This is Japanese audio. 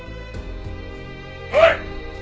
おい！